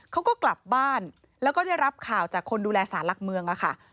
เขาก็กลับบ้านแล้วก็ได้รับข่าวจากคนดูแลสารหลักเมืองอะค่ะ